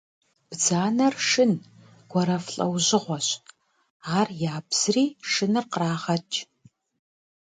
Бдзанэр шын, гуэрэф лӏэужьыгъуэщ, ар ябзри шыныр кърагъэкӏ.